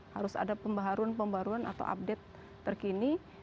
harus ada pembaharuan pembaruan atau update terkini